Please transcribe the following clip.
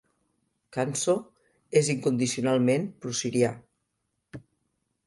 Qanso és incondicionalment prosirià.